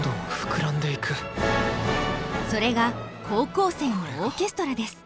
それが高校生のオーケストラです。